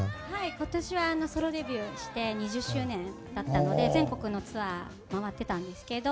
今年はソロデビューして２０周年だったので全国のツアーを回ってたんですけど。